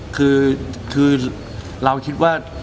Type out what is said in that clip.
คือเราคิดว่า